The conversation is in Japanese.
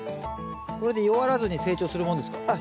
これで弱らずに成長するもんですか？